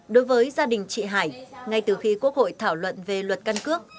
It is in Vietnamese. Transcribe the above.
đối với gia đình chị hải ngay từ khi quốc hội thảo luận về luật căn cước